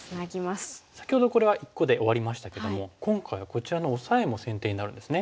先ほどこれは１個で終わりましたけども今回はこちらのオサエも先手になるんですね。